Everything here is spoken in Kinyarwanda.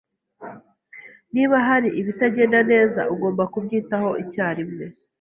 Niba hari ibitagenda neza, ugomba kubyitaho icyarimwe.